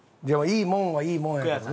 いいもんはいいもんやけどな。